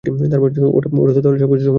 ওটা তাহলে তো সবকিছুই সমাধান করে দেয়।